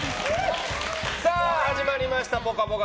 始まりました「ぽかぽか」